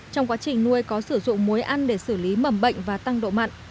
trong quá trình nuôi có sử dụng muối ăn để xử lý mầm bệnh và tăng độ mặn